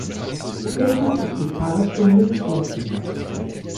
Deshalb ist die Fragestunde geschlossen.